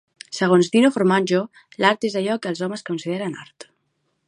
Segons Dino Formaggio l'art és allò que els homes consideren art.